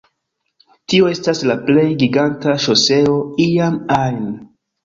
Tio estas la plej giganta ŝoseo iam ajn